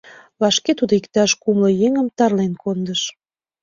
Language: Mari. Вашке тудо иктаж кумло еҥым тарлен кондыш.